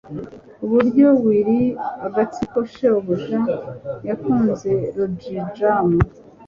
Uburyo wiry agatsiko-shobuja yakunze logjam.